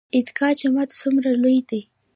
عیدګاه جومات څومره لوی دی؟